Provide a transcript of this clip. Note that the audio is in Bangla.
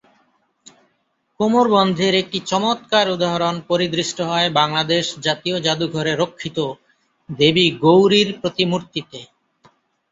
কোমরবন্ধের একটি চমৎকার উদাহরণ পরিদৃষ্ট হয় বাংলাদেশ জাতীয় জাদুঘরে রক্ষিত দেবী গৌরীর প্রতিমূর্তিতে।